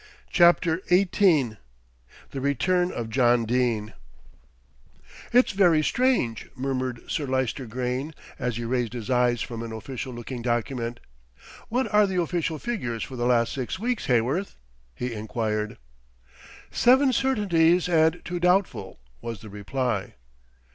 CHAPTER XVIII THE RETURN OF JOHN DENE "It's very strange," murmured Sir Lyster Grayne, as he raised his eyes from an official looking document. "What are the official figures for the last six weeks, Heyworth?" he enquired. "Seven certainties and two doubtful," was the reply.